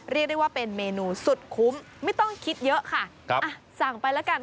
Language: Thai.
เรียกได้ว่าเป็นเมนูสุดคุ้มไม่ต้องคิดเยอะค่ะครับอ่ะสั่งไปแล้วกัน